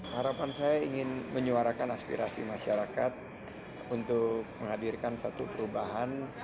harapan saya ingin menyuarakan aspirasi masyarakat untuk menghadirkan satu perubahan